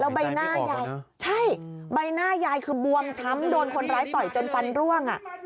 ใบหน้ายายใช่ใบหน้ายายคือบวมช้ำโดนคนร้ายต่อยจนฟันร่วง